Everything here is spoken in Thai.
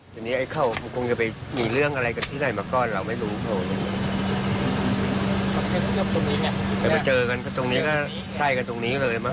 ที่ยู่อันนี้ก็เดือดร้อยมันก็ได้โดนเจ็บกว่าไร่คน